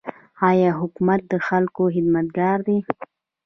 آیا حکومت د خلکو خدمتګار دی؟